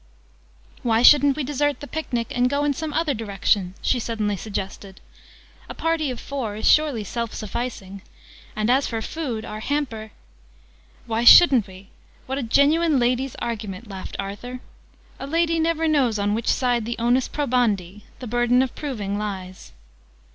"Why shouldn't we desert the Picnic and go in some other direction?" she suddenly suggested. "A party of four is surely self sufficing? And as for food, our hamper " "Why shouldn't we? What a genuine lady's argument!" laughed Arthur. "A lady never knows on which side the onus probandi the burden of proving lies!"